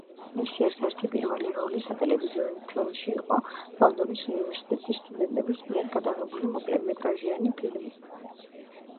მისი ერთ-ერთი პირველი როლი სატელევიზიო ფილმში იყო ლონდონის უნივერსიტეტის სტუდენტების მიერ გადაღებული მოკლემეტრაჟიანი ფილმი.